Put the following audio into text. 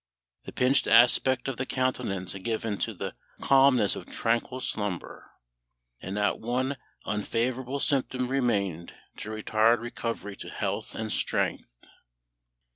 The pinched aspect of the countenance had given place to the calmness of tranquil slumber, and not one unfavourable symptom remained to retard recovery to health and strength.